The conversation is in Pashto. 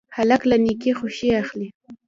هلک له نیکۍ خوښي اخلي.